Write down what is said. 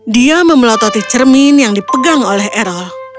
dia memelototi cermin yang dipegang oleh erol